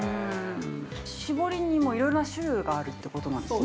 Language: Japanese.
◆絞りにもいろいろな種類があるということなんですね。